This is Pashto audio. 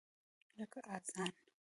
لکه اذان !